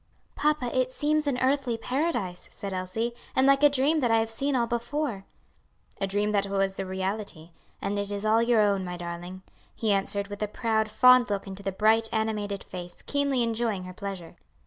"Papa, it seems an earthly paradise," said Elsie, "and like a dream that I have seen all before." "A dream that was a reality. And it is all your own, my darling," he answered with a proud, fond look into the bright animated face, keenly enjoying her pleasure.